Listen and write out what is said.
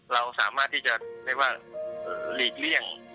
เราสามารถที่จะเรียกว่าหลีกเลี่ยง